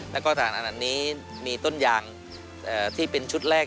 แล้วก็ฐานอันนั้นนี้มีต้นยางที่เป็นชุดแรก